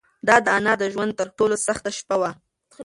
دا د انا د ژوند تر ټولو سخته شپه وه.